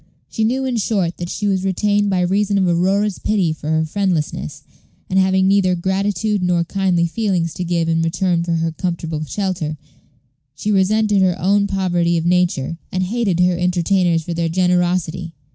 She knew, in short, that she was retained by reason of Aurora's pity for her friendlessness; and, having neither gratitude nor kindly feelings to give in return for her comfortable shelter, she resented her own poverty of nature, and hated her entertainers for their generosity.